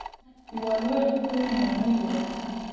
یوه لویه ښکلې ماڼۍ وه.